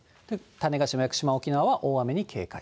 種子島、屋久島、沖縄は大雨に警戒。